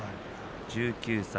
１９歳。